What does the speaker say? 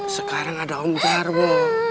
sekarang ada om jarwo